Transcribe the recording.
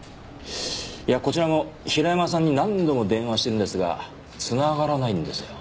いやこちらも平山さんに何度も電話してるんですが繋がらないんですよ。